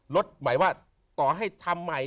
หมายว่าต่อให้ทำใหม่